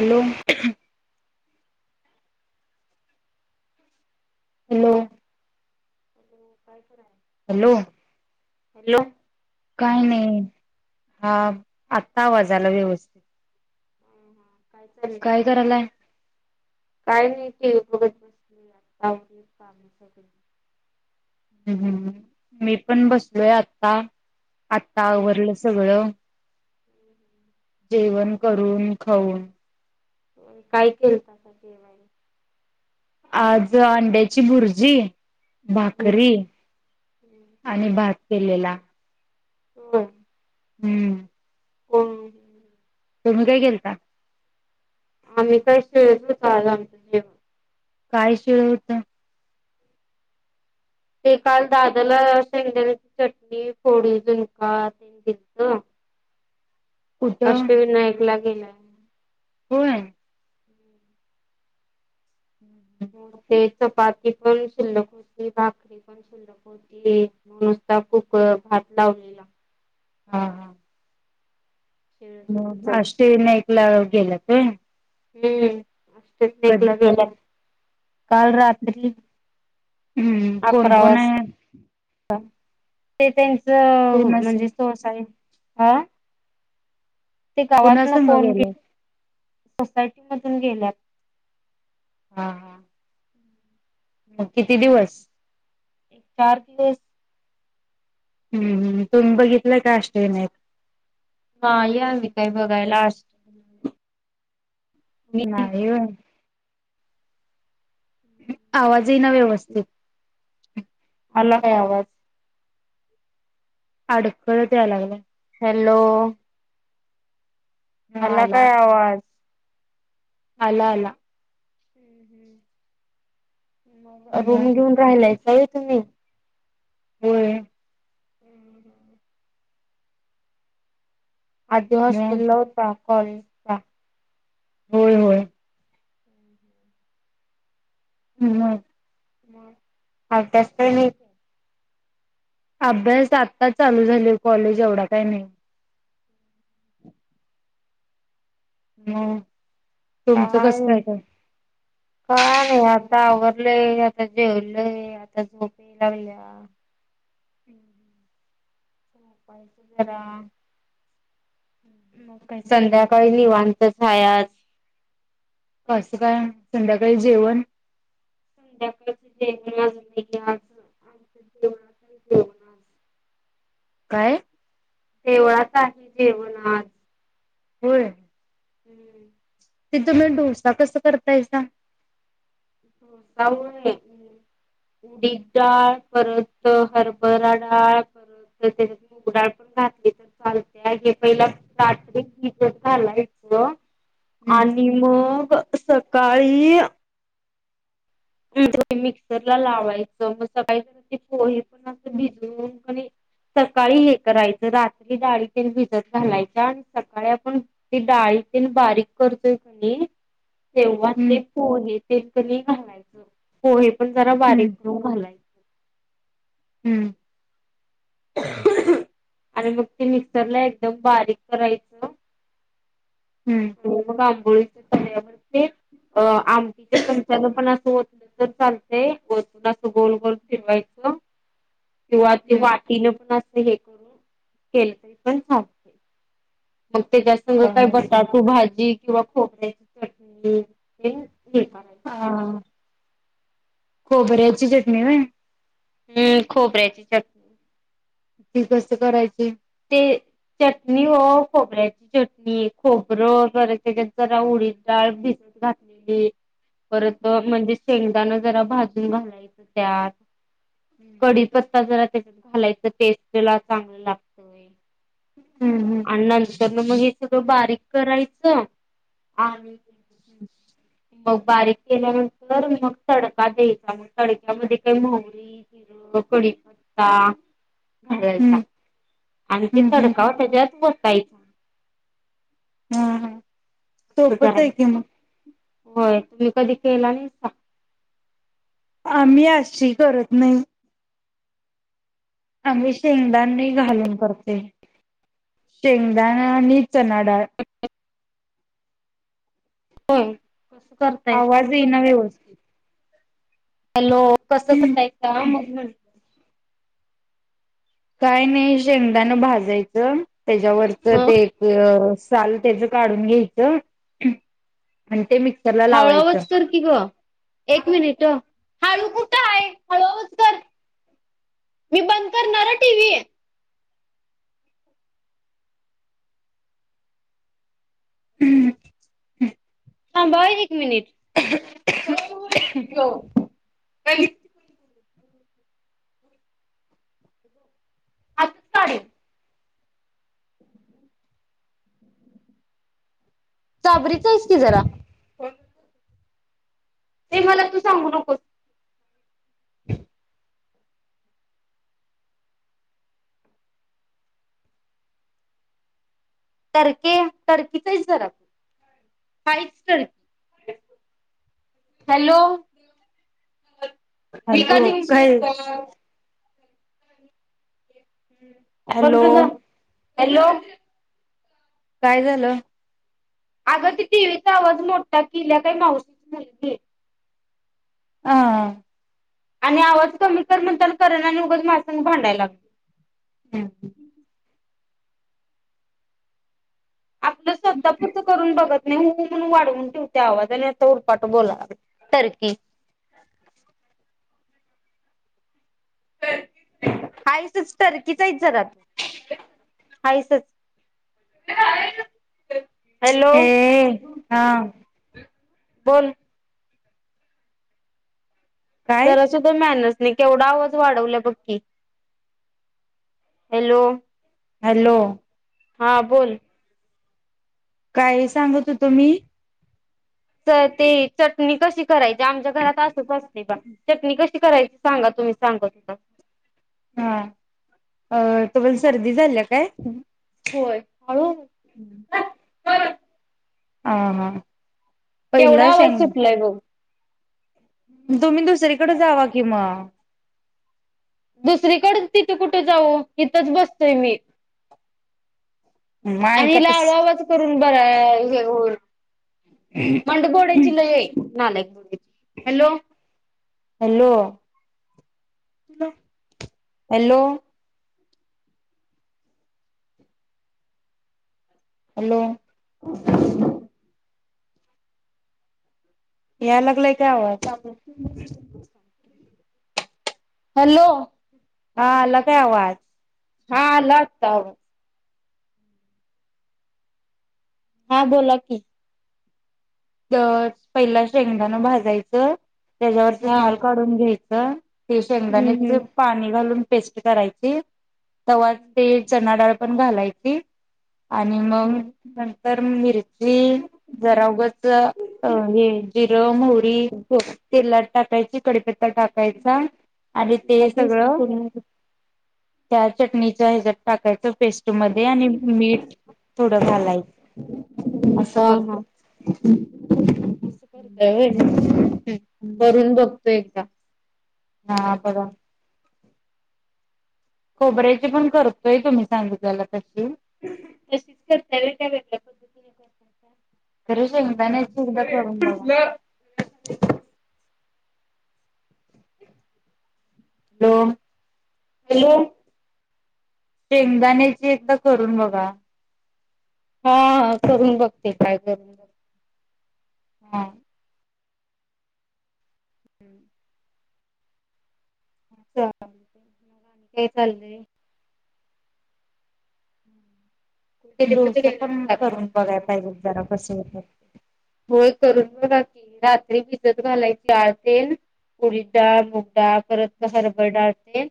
Hello. Hello. Hello काय कराय? Hello. Hello. काय नाही? हा आत्ता आवाज आला व्यवस्थित. हू हू काय चाललंय? काय करायलाय काय नाही, टीव्ही बघत बसलोय. हा आठ दिवस चालूच हाय ईकड. हम्म हम्म मी पण बसलोय आत्ता. आत्ता आवरलं सगळं. जेवण करून, खाऊन. व्हय, काय केलत्यासा जेवण? आज अंड्याची भुर्जी भाकरी आणि भात केलेला. [unintelligible] हम अ कोण? तुम्ही काय केेलता? आम्ही काही शिळंचं [unintelligible] आमचं जेवणं. काय शिळ होत? ते काल दादाला शेंगदाण्याची चटणी, पोळी, झुणका दिलतं. कुठं अष्टविनायकला गेलाय. [unintelligible] होय. हम. मग ते चपाती पण शिल्लक होती, भाकरी पण शिल्लक होती, नुसता कुक भात लावलेला. हा हा. मग अष्टविनायकला गेल्यात. हम. हम्म. [unintelligible] गेल्यात. काल रात्री ह अ कोण अकरा कोण हायं? वाजता ते ते. ज कोणा म्हणजे तो असायं. आ ते गावात कोणा ना संग कोण गे गेलाय सोसायटी मधून गेल्यात हा हा किती दिवस एक चार दिवस हम्मम् तुम्ही बघितलंय का अष्टविनायक ह या मी काय बघायला असत नाय व आवाज ज येना व्यवस्थित आलाय काय आवाज अडखळत यायला लागला हॅलो आला काय आवाज आला आला हम्म हम्म रूम मग घेऊन राहिलाय का तुम्ही होय हम्म हम्म. आधी मग हॉस्टेल ला होता कोणता होय होय हम् हम अ त्याचत अभ्यास आत्ताच चालू झाले कॉलेज एवढा काही नाही हम काय नाही काय नाही आ आता आवरलंय आता जेवलय आता झोपे याय लागल्या झोपायच जरा आआ मग काय संध्याकाळी निवांतचच हाय आज कसं काय संध्याकाळी जेवण संध्याकाळच जेवणाज नाही आज आ जेव जेवणाज काय देवळात आहे जेवण आज होय हम्म ते तुम्ही डोसा कस करतायसा ोसामुळे उडीद डाळ परत हरभरा डाळ परत त्याच्या उगडाळ पण घातली तर चालते हे पहिला रात्रीीज भिजत घालायचं हम्म आणि मग स काळीइइ मिक्सरला लावायचं मग सकाळी ते पोहे पण अस भिजून कणी सकाळी हे करायचं रात्री डाळी तेन भिजत घालायच आणि सकाळी आपण ते डाळी तेन बारीक करतोय कणी तेव्हा हम्म ते पोहेत. ते कणी घालायच. होहे. पण जरा बारीक हम्म करून घालायच. हम्म. आणि मग ते मिक्सरला एकदम बारीक करायचं. हम्म हो मग पोळीच्या तव्यावरती अं आमटीच्या चमच्यानं पण अस ओतलं तर चालतय ओतून असं गोल गोल फिरवायच. किंवा ते हम्म वाटीन पण अ हे करून केलं तरी पण चालतंय. मग तच्यासंग काय हा बटाटू भाजी. किंवा खोबऱ्याची चटणीइइ हा. खोबऱ्याची चटणी व्हय. हम्म खोबऱ्यायची चटणीइ. ती कस करायची? ते चटणी ओ खोबऱ्याची चटणी खोबरं ज त्याच्यात जरा उडी डाळ भिजत घातलेली. परत म्हणजे शेंग जरा भाजून घालायचं त्यात हम्म कडीी पत्ता जरा त्याच्यात घालायच टेस्ट ला चांगलं लाग. होय. हम्म हम्म. मग हे सगळं बारीक करायचं आणि हम्. मग बारीक केल्यानंतर मग तडका द्यायचा मग तडक्यामध्ये काही मोहरी जिरं कडीपत्ता घालायचा. हम्म आणि ते हम्म हम्म तडकाव त्याच्यात व तायचा. हम्म हम्. सोपच आहे की करायचं मग. होय तुम्ही कधी केला नाहीसा. मी अशी करत नाही. आम्ही शेंगदाण घालून करते शेंगदाणा आणि चणाडाळ. हम्म. आवाज ईना व्यवस्थित. हॅलो! कसं कसायं काम मग म्हटलं? काय नाही शेंगदाणा भाजायचं त्याच्यावरच ते एक साल त्याच काढून घ्यायचं, आणि ते मिक हळू आवाज कर की गं एक मिनिट अ. हळू कुठं हाय, हळू आवाज कर मी बंद करणार ह टी व्ही. हम. थांबा हं एक मिनिट. [unintelligible] हो, [unintelligible] दातचं काडीनं. चाबरीचं आहेस की जरा. ते मला तू सांगू नकोस. टरके टरकीच हाईस जरा तू, हाईच टरकी हॅलो! मी का [unintelligible] हॅलो काय करं हम बघ हॅलो जा जा. हॅलो! काय झालं? अगं ती टीव्हीचा आवाज मोठा केल्या काय मावशीची मुलगी. हा अ. आणि आवाज कमी कर म्हणताना करना न उगच माझ्या संग भांडायला लागं ह अ. आपलं स्वता पुरतं करून बघत नाही, हु म्हणून वाढवून ठेवत्या आवाज आणि आता उरपाट बोला लागल्या. टर्की. तर हाईसच टर्कीचं हाईच जरा तू. हायसचं. हॅलो! ए हा बोल. काय जरा सुद्धा मॅनर्स नाही. केवढा आवाज वाढवल्या बघ की, हॅलो हॅलो. हा बोल. काय सांगत होतो मी? तर ते चटणी कशी करायची, आमच्या घरात असच असतय बा. चटणी कशी करायची सांगा तुम्ही सांगत होता. हा. अ तुम्हाला सर्दी झाल्या काय? होय हळू हम्म [inaudible] हा हा. केवढा पहिला आवाज शेंग सुटलाय बघ. तुम्ही दुसरीकडे जावा कि मग दुसरीकड तिथे कुठे जाऊ हिथंच बसतय मी. मग आणि ऐकतच [unintelligible] [unintelligible] लई ए नालायक. हॅलो. हॅलो. [unintelligible] हॅलो. हॅलो. [inaudible] याय लागलाय का आवाज? हॅलो. हा आला काय आवाज? हा आला आत्ता आवा हा बोला की. तर पहिला शेंगदाण भाजायचं. त्याच्यावरच हा साल काढून घ्याईच त ते हम्म शेंगदाण्याच हम्म. पाणी घालून पेस्ट करायची तवा ते चना डाळ पण घालायची आणि मग तर मिरची जरा ज अ हे जिरं, मोहरी, हा तेलात टाकायचीत कडीपत्ता टाकायचा आणि ते सगळं त्या चटणीच्या ह्याच्यात टाकायच पेस्ट मध्ये आणि मीठ थोडं घालायचं असं करतो. तसं करता व्हय? करून बघ. ते का? हा बरं. खोबऱ्याचे पण करतोय तुम्ही सांगितलेलं त तशीच करता व्हय, त्या वेगळ्या पद्धतीनुसार [unintelligible] हॅलो हॅलो शेंगदाण्याची एकदा करून बघा. हां हां करून बघते, ट्राय करून बघते. हम्म [unintelligible] चाललं, हे कलले? ते डोसे पण, करून बघायला पाहिजे, त्याला कसे आहेत. अं होय करून बघा की, रात्री भिजत घालायचं असेल, उडीदडाळ, मुगडाळ परत हरभराडाळ असेल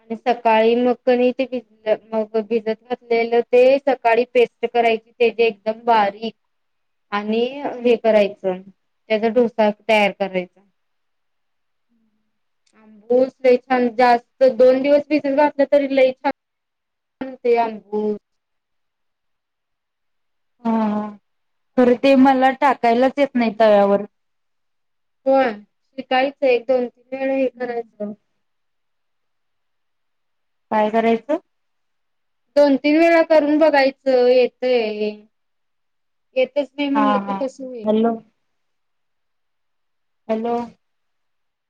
आणि [unintelligible] सकाळी मखनी ते भिजलं, मग भिजत घातलेलं ते सकाळी पेस्ट करायचं, ते जे एकदम बारीक आणि ते [unintelligible] हे हा करायचं त्याचा डोसा तयार करायचा, अंबूस लई छान जास्त, दोन दिवस भिजत घातलं तर लई छान अन् ते अनभूत हां तरी ते मला टाकायलाच येत नाही, तव्यावर. होय शिकाळीचं आहे, एक दोन ते [unintelligible] एक करायचं काय करायचं? दोन तीन वेळा करून बघायचं, येतयं. येतच नाही हा म्हणलं तर, हा कसं होईल? Hello hello